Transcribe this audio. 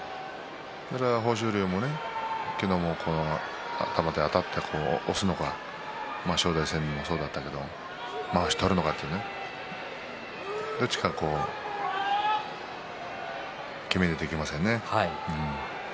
豊昇龍も頭であたって押すのか大栄翔戦もそうでしたがまわしを取るのかどっちか決めないといけませんね。